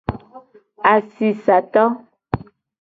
Asisato.